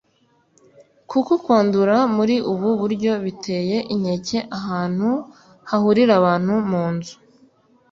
kuko kwandura muri ubu buryo biteye inkeke ahantu hahurira abantu mu nzu